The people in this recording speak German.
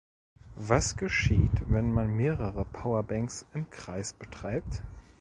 Was geschieht, wenn man mehrere Powerbanks im Kreis betreibt?